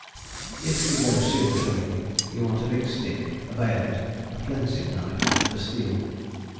If you go seal killing you want a big stick, a bayonet, a flensing knife and a steel.